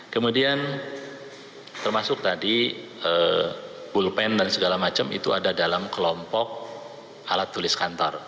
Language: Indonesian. kemudian termasuk tadi pulpen dan segala macam itu ada dalam kelompok alat tulis kantor